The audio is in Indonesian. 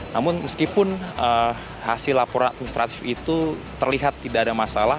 namun meskipun hasil laporan administratif itu terlihat tidak ada masalah